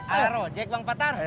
arojek bang patar